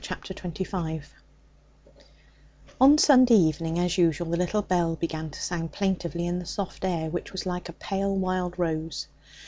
Chapter 25 On Sunday evening, as usual, the little bell began to sound plaintively in the soft air which was like a pale wild rose.